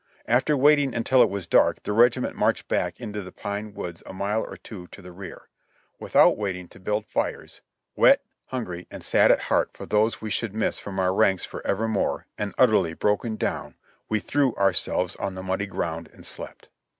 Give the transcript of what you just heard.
After waiting until it was dark the regiment marched back into the pine woods a mile or two to the rear. Without waiting to build fires — wet, hungry, and sad at heart for those we should miss from our ranks forevermore, and utterly broken down — we threw ourselves on the muddy ground and slept.